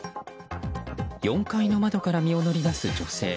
４階の窓から身を乗り出す女性。